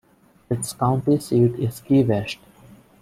Its county seat is Key West.